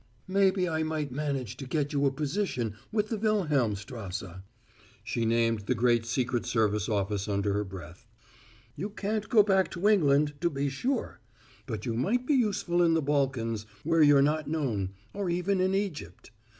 "Maybe I might manage to get you a position with the Wilhelmstrasse." She named the great secret service office under her breath. "You can't go back to England, to be sure; but you might be useful in the Balkans, where you're not known, or even in Egypt.